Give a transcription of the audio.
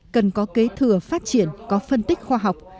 cần có kế thừa phát triển có phân tích khoa học